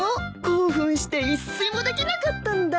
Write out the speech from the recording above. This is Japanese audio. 興奮して一睡もできなかったんだ。